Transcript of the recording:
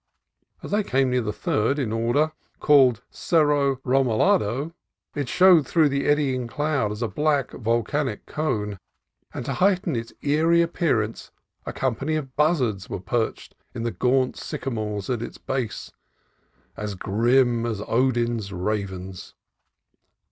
As I came near the third in order, called Cerro Romualdo, it showed through the eddying cloud as a black volcanic cone ; and to heighten its eerie appearance a company of buzzards were perched in the gaunt sycamores at its base, as grim as Odin's ravens.